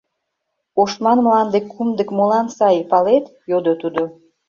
— Ошман мланде кумдык молан сай, палет? — йодо тудо.